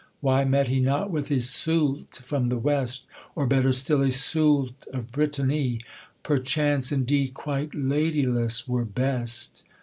Why met he not with Iseult from the West, Or better still, Iseult of Brittany? Perchance indeed quite ladyless were best.